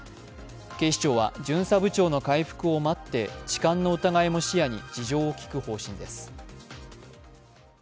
警視庁は巡査部長の回復を待って痴漢の疑いも視野に事情を聞く方針です。